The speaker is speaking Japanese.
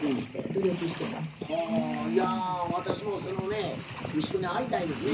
はあいや私もそのね一緒に会いたいですね。